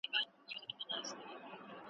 لا تر څو به دي قسمت په غشیو ولي .